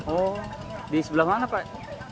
oh di sebelah mana pak